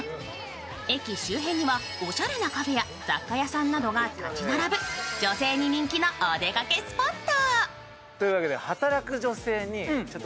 駅周辺にはおしゃれなカフェや雑貨屋さんなどが立ち並ぶ女性に人気のお出かけスポット。